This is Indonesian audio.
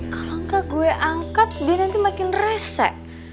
kalau gak gue angkat dia nanti makin rese